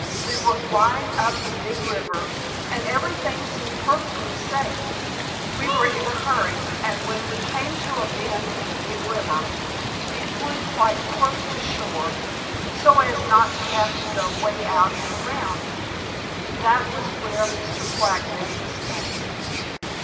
"We were flying up the Big River, and everything seemed perfectly safe. We were in a hurry, and when we came to a bend in the Big River, we flew quite close to shore, so as not to have to go way out and around. That was where Mr. Quack made a mistake.